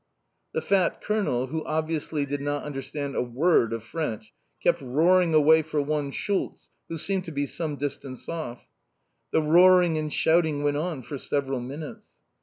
The fat Colonel, who obviously did not understand a word of French, kept roaring away for one "Schultz," who seemed to be some distance off. The roaring and shouting went on for several minutes.